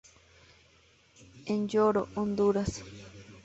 En Yoro Honduras